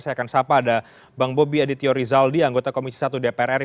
saya akan sapa ada bang bobi aditya rizaldi anggota komisi satu dpr ri